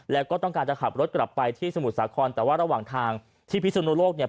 แล้วก็ต้องการจะขับรถกลับไปที่สมุทรสาครแต่ว่าระหว่างทางที่พิสุนโลกเนี่ย